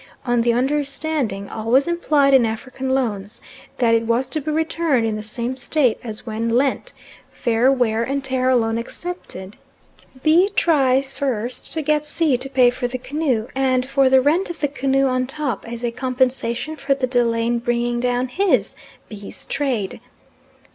on the understanding, always implied in African loans, that it was to be returned in the same state as when lent, fair wear and tear alone excepted. B. tries first to get C. to pay for the canoe, and for the rent of the canoe on top, as a compensation for the delay in bringing down his, B's., trade.